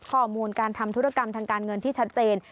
ข้อมูลการทำธุรกรรมทางการเงินที่ชัดเจน